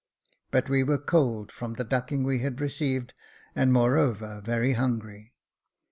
But we were cold from the ducking we had received, and moreover, very hungry.